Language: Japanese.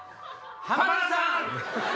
浜田さん。